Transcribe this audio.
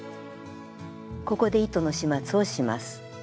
ここで糸の始末をします。